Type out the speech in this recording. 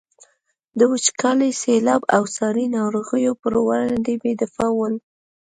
د وچکالي، سیلاب او ساري ناروغیو پر وړاندې بې دفاع ول.